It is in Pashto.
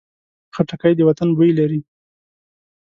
خټکی د وطن بوی لري.